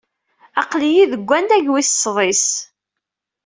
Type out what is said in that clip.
Aql-iyi deg wannag wis sḍis.